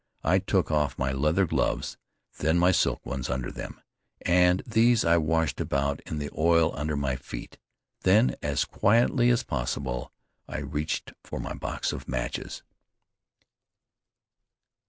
I took off my leather gloves, then my silk ones under them, and these I washed about in the oil under my feet. Then, as quietly as possible, I reached for my box of matches.